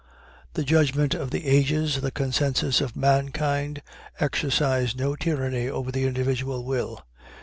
The judgment of the ages, the consensus of mankind, exercise no tyranny over the individual will.